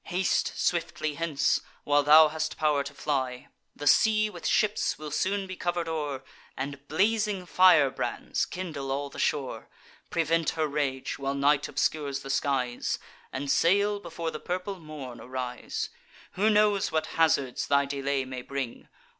Haste swiftly hence, while thou hast pow'r to fly. The sea with ships will soon be cover'd o'er, And blazing firebrands kindle all the shore. Prevent her rage, while night obscures the skies, And sail before the purple morn arise. Who knows what hazards thy delay may bring?